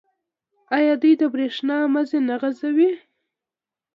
آیا دوی د بریښنا مزي نه غځوي؟